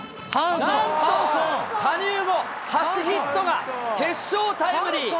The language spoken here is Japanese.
なんと加入後初ヒットが、決勝タイムリー。